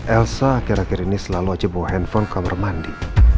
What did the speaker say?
elsa akhir akhir ini selalu aja bawa handphone ke kamar mandi